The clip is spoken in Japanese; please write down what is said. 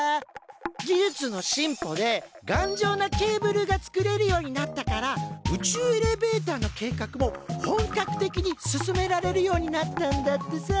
技術の進歩でがんじょうなケーブルが作れるようになったから宇宙エレベーターの計画も本格的に進められるようになったんだってさ。